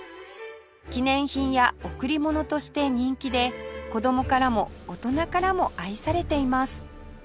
記念品や贈り物として人気で子供からも大人からも愛されています